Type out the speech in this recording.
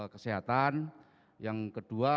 kesehatan yang kedua